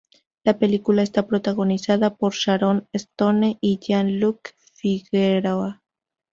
La película está protagonizada por Sharon Stone y Jean-Luke Figueroa.